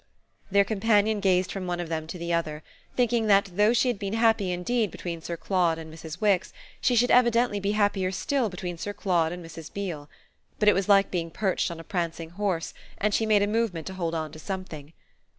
Their companion gazed from one of them to the other, thinking that though she had been happy indeed between Sir Claude and Mrs. Wix she should evidently be happier still between Sir Claude and Mrs. Beale. But it was like being perched on a prancing horse, and she made a movement to hold on to something.